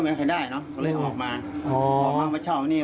แล้วปัจจุบันนี้